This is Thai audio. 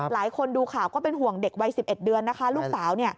หลายคนดูข่าวก็เป็นห่วงเด็กวัย๑๑เดือนนะคะลูกสาว